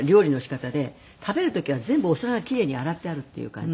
食べる時は全部お皿が奇麗に洗ってあるっていう感じ。